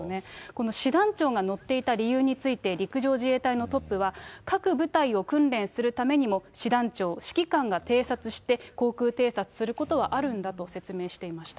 この師団長が乗っていた理由について、陸上自衛隊のトップは、各部隊を訓練するためにも、師団長、指揮官が偵察して、航空偵察することはあるんだと説明していました。